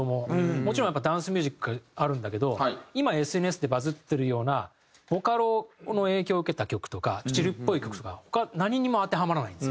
もちろんダンスミュージックあるんだけど今ＳＮＳでバズってるようなボカロの影響を受けた曲とかチルっぽい曲とか他何にも当てはまらないんです。